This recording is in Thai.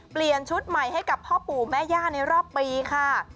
เปลี่ยนชุดใหม่ให้กับพ่อปู่แม่ย่าในรอบปีค่ะ